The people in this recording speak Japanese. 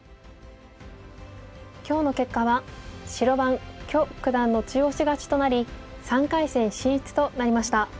今日の結果は白番許九段の中押し勝ちとなり３回戦進出となりました。